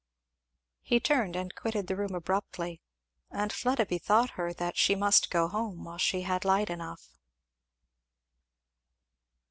He turned and quitted the room abruptly; and Fleda bethought her that she must go home while she had light enough.